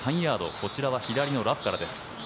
こちらは左のラフからです。